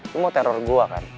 lu mau teror gue kan